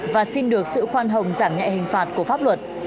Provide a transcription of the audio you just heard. và xin được sự khoan hồng giảm nhẹ hình phạt của pháp luật